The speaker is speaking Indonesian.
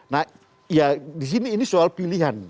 nah ya di sini ini soal pilihan